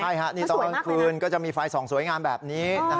ใช่ค่ะนี่ตอนคืนก็จะมีไฟล์สองสวยงามแบบนี้